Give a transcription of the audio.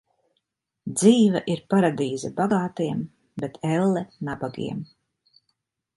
Dzīve ir paradīze bagātiem, bet elle nabagiem.